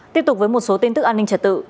tiếp tục với một số tin tức an ninh trật tự